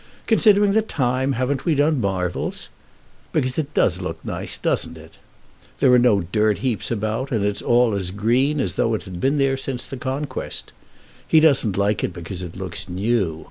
"Considering the time, haven't we done marvels? Because it does look nice, doesn't it? There are no dirt heaps about, and it's all as green as though it had been there since the Conquest. He doesn't like it because it looks new.